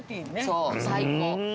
そう最高。